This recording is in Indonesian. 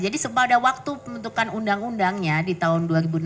jadi sempat ada waktu pembentukan undang undangnya di tahun dua ribu enam belas